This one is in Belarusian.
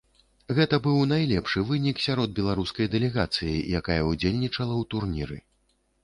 Гэта быў найлепшы вынік сярод беларускай дэлегацыі, якая ўдзельнічала ў турніры.